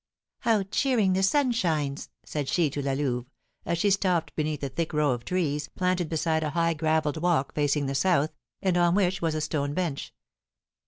"How cheering the sun shines!" said she to La Louve, as she stopped beneath a thick row of trees, planted beside a high gravelled walk facing the south, and on which was a stone bench.